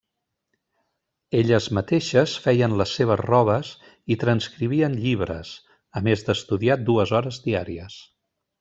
Elles mateixes feien les seves robes i transcrivien llibres, a més d'estudiar dues hores diàries.